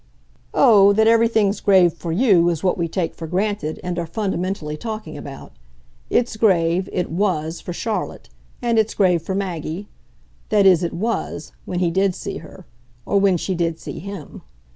"Oh, that everything's grave for 'you' is what we take for granted and are fundamentally talking about. It's grave it WAS for Charlotte. And it's grave for Maggie. That is it WAS when he did see her. Or when she did see HIM."